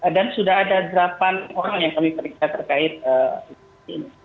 dan sudah ada gerapan orang yang kami periksa terkait inses ini